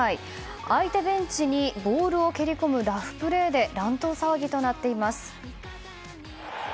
相手ベンチにボールを蹴り込むラフプレーで乱闘騒ぎとなっています。